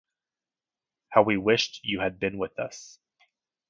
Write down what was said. How we wished you had been with us.